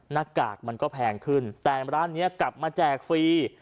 หน้ากากมันก็แพงขึ้นแต่ร้านนี้กลับมาแจกฟรี